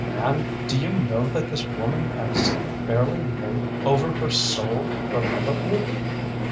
Man do you know that this woman has fairly made over her soul for love of you?